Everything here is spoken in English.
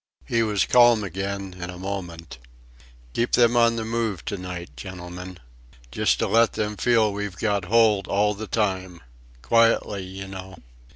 He was calm again in a moment. "Keep them on the move to night, gentlemen; just to let them feel we've got hold all the time quietly, you know.